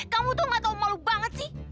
kamu tuh nggak tahu malu banget sih